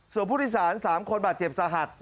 ส่วนผู้โดยสาร๓คนบาดเจ็บสาหัส